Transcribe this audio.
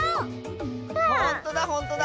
ほんとだほんとだ！